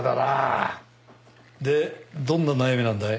でどんな悩みなんだい？